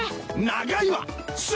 ・長いわ！